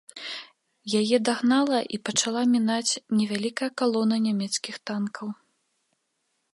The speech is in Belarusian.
Яе дагнала і пачала мінаць невялікая калона нямецкіх танкаў.